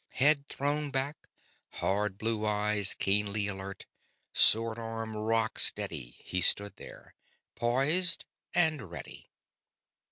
Head thrown back, hard blue eyes keenly alert, sword arm rock steady he stood there, poised and ready.